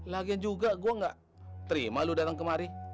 lagi juga gue gak terima lu datang kemari